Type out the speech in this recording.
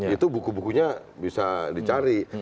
itu buku bukunya bisa dicari